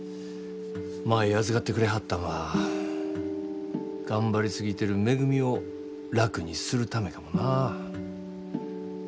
舞預かってくれはったんは頑張り過ぎてるめぐみを楽にするためかもな。